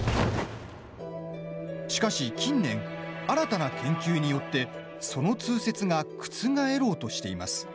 しかし近年、新たな研究によってその通説が覆ろうとしています。